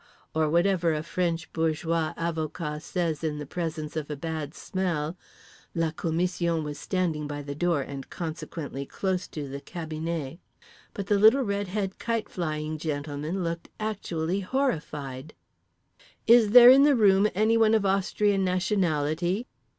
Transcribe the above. or whatever a French bourgeois avocat says in the presence of a bad smell (la commission was standing by the door and consequently close to the cabinet); but the little red head kite flying gentleman looked actually horrified. "Is there in the room anyone of Austrian nationality?"